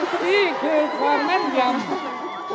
นี่คือความแม่นยำ